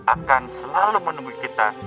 akan selalu menunggu kita